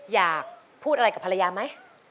อยากพูดอะไรกับภรรยาไหม